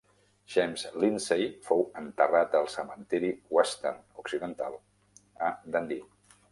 James Lindsay fou enterrat al cementiri Western (occidental), a Dundee.